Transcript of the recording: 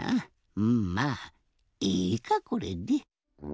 うんまあいいかこれで。